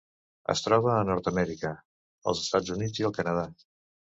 Es troba a Nord-amèrica: els Estats Units i el Canadà.